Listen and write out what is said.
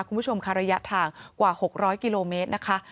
คุณผู้ชมค่ะระยะทางกว่า๖๐๐กิโลเมตรนะคะ